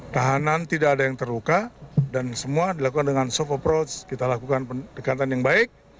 tahanan tidak ada yang terluka dan semua dilakukan dengan soft approach kita lakukan pendekatan yang baik